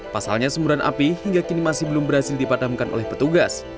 pasalnya semburan api hingga kini masih belum berhasil dipadamkan oleh petugas